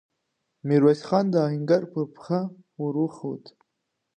ميرويس خان د آهنګر پر پښه ور وخووت.